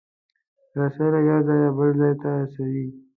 رسۍ له یو ځایه بل ځای ته رسوي.